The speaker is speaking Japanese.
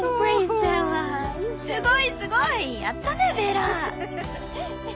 すごいすごいやったねベラ！